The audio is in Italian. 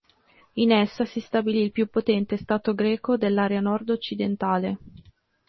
In essa si stabilì il più potente stato greco dell'area nord-occidentale.